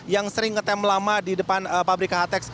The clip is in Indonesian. yang sering ngetem lama di depan pabrika hatex